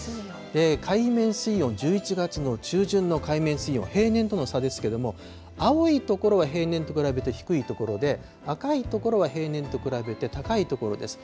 海面水温、１１月の中旬の海面水温、平年との差ですけれども、青い所は平年と比べて低い所で、赤い所は平年と比べて高い所です。